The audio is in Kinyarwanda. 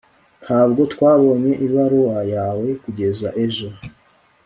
ntabwo twabonye ibaruwa yawe kugeza ejo